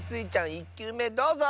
１きゅうめどうぞ！